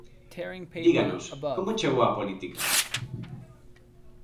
Díganos, como chegou á política?